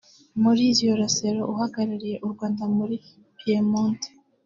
Maurizio Rasero; Uhagarariye u Rwanda muri Piemonte